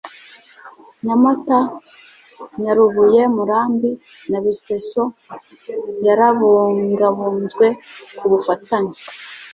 Nyamata Nyarubuye Murambi na Bisesero yarabungabunzwe Ku bufatanye